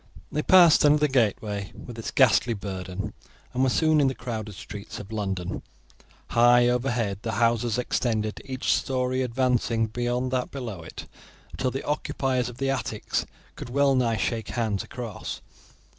They passed under the gateway, with its ghastly burden, and were soon in the crowded streets of London. High overhead the houses extended, each story advancing beyond that below it until the occupiers of the attics could well nigh shake hands across.